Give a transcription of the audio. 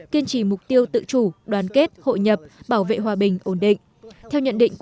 kiên trì mục tiêu tự chủ đoàn kết hội nhập bảo vệ hòa bình ổn định